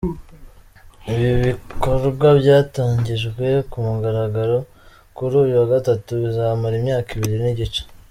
Ibi bikorwa byatangijwe ku mugaragaro kuri uyu wa Gatatu bizamara imyaka ibiri n’igice.